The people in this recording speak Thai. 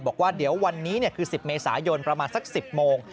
บอกว่าเดี๋ยววันนี้คือ๑๐เมษายนประมาณสัก๑๐โมง